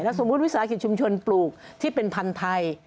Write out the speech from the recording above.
สมมุติวิสาหกิจชุมชนปลูกที่เป็นพันธุ์ไทย